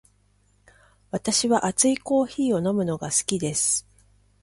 私は熱いコーヒーを飲むのが好きです。